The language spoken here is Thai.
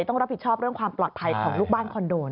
ต้องรับผิดชอบเรื่องความปลอดภัยของลูกบ้านคอนโด